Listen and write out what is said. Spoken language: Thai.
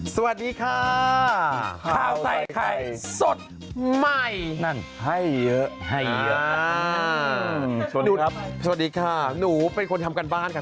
สวัสดีค่ะข้าวใส่ไข่สดใหม่นั่นให้เยอะให้เยอะสวัสดีครับสวัสดีค่ะหนูเป็นคนทำการบ้านค่ะ